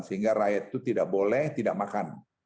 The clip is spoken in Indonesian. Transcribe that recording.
sehingga rakyat itu tidak boleh tidak makan